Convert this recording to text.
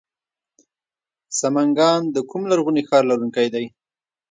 سمنګان د کوم لرغوني ښار لرونکی دی؟